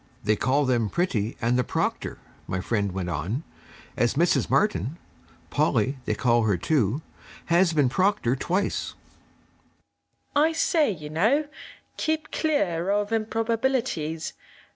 'They call them Pretty and the Proctor,' my friend went on, 'as Mrs. Martin Polly they call her too has been Proctor twice.' I say, you know, keep clear of improbabilities!